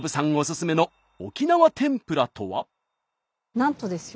なんとですよ